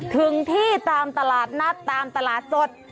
ถึงที่ตามตลาดนัดตามตลาดสด